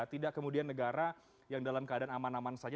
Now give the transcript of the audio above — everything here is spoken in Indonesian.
tidak kemudian negara yang dalam keadaan aman aman saja